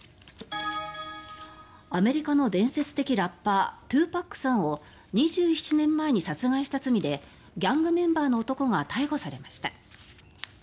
アメリカの伝説的ラッパー２ＰＡＣさんを２７年前に殺害した罪でギャングメンバーの男が逮捕されました。